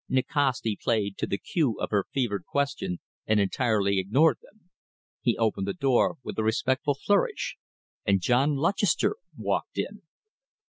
Nikasti played to the cue of her fevered question and entirely ignored them. He opened the door with a respectful flourish and John Lutchester walked in.